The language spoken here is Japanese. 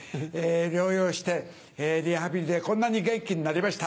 療養してリハビリでこんなに元気になりました。